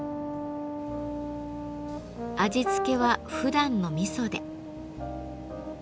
味付けはふだんのみそで。